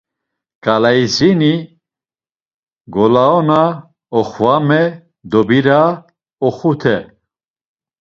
K̆alayizeni, Golaona, Oxvame, Dobira, Oxute…